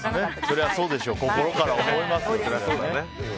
そりゃそうでしょう心から思いますよね。